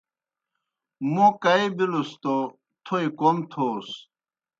موں کائی بِلُس توْ تھوئے کوْم تھوس۔